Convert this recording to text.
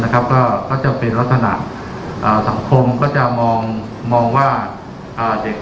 ก็ก็จะเป็นลักษณะสังคมก็จะมองมองว่าเด็ก